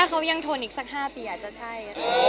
เขายังทนอีกสัก๕ปีอาจจะใช่